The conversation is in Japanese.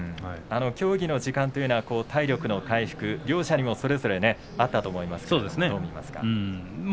協議の時間というのは体力の回復、両者にそれぞれあったと思いますがどう見ますか。